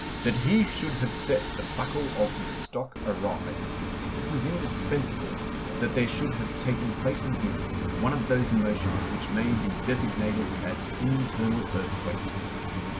That he should have set the buckle of his stock awry, it was indispensable that there should have taken place in him one of those emotions which may be designated as internal earthquakes.